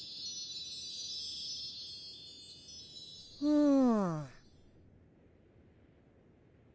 うん。